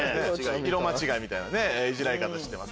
色間違いみたいなイジられ方してます。